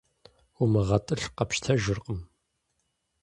УмыгъэтӀылъ къэпщтэжыркъым.